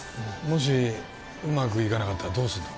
もしうまくいかなかったらどうすんの？